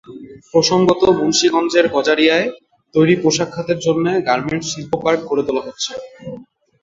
প্রসঙ্গত, মুন্সিগঞ্জের গজারিয়ায় তৈরি পোশাক খাতের জন্য গার্মেন্টস শিল্পপার্ক গড়ে তোলা হচ্ছে।